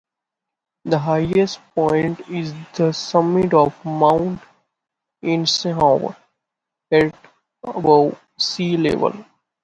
The highest point is the summit of Mount Eisenhower, at above sea level.